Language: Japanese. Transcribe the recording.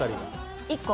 １個。